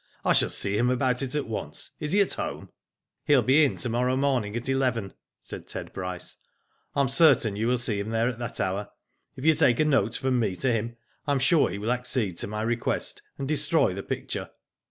I shall see him about it at once. Is he at home?*' ''He will be in to morrow morning at eleven/' said Ted Bryce. " I am certain you will see him there at that hour. If you take a note from me to him I am sure he will accede to my request, and destroy the picture."